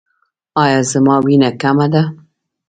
ایا زما وینه کمه ده؟